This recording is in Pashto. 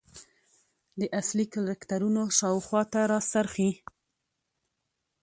د اصلي کرکترونو شاخواته راڅرخي .